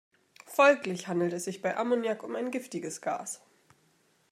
Folglich handelt es sich bei Ammoniak um ein giftiges Gas.